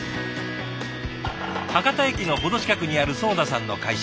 博多駅の程近くにある囿田さんの会社。